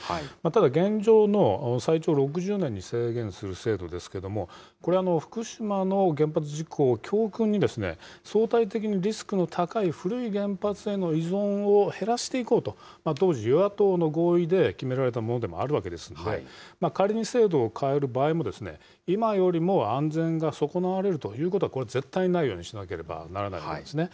ただ、現状の最長６０年に制限する制度ですけども、これは福島の原発事故を教訓に、相対的にリスクの高い古い原発への依存を減らしていこうと、当時、与野党の合意で決められたものでもあるわけですので、仮に制度を変える場合も、今よりも安全が損なわれるということは、これ、絶対ないようにしなければならないわけですね。